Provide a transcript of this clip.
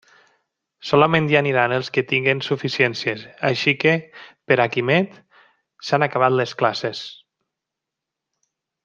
Solament hi aniran els qui tinguen suficiències; així que, per a Quimet, s'han acabat les classes.